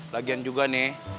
lagian juga nih